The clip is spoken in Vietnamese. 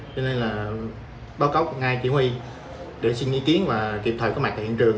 cho nên là báo cáo ngay chỉ huy để xin ý kiến và kịp thời có mặt tại hiện trường